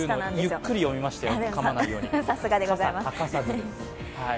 ゆっくり読みましたよ、かまないように。